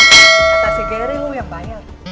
kata si geri lu yang bayar